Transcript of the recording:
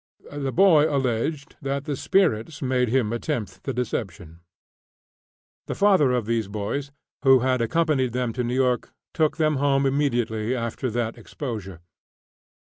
The boy alleged that the spirits made him attempt the deception. The father of these boys, who had accompanied them to New York, took them home immediately after that exposure.